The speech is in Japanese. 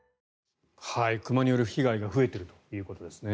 熊による被害が増えているということですね。